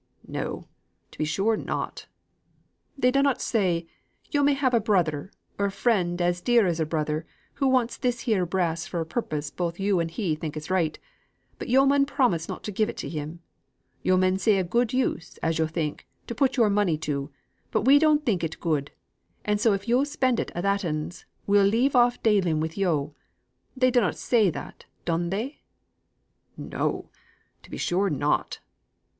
"No; to be sure not!" "They dunnot say, 'Yo' may have a brother, or a friend as dear as a brother, who wants this here brass for a purpose both yo' and he think right; but yo' mun promise not give it to him. Yo' may see a good use, as yo' think, to put yo'r money to; but we don't think it good, and so if yo' spend it a thatens we'll just leave off dealing with yo'.' They dunnot say that, dun they?" "No: to be sure not!"